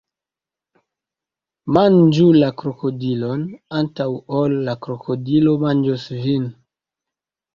Manĝu la krokodilon, antaŭ ol la krokodilo manĝos vin!